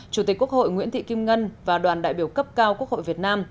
chủ tịch quốc hội nguyễn thị kim ngân và đoàn đại biểu cấp cao quốc hội việt nam